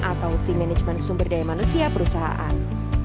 atau team management sumber daya manusia perusahaan